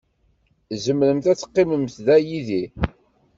Tzemremt ad teqqimemt da yid-i